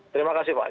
terima kasih pak